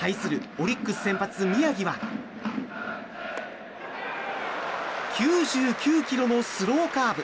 オリックス先発、宮城は９９キロのスローカーブ。